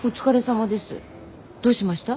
どうしました？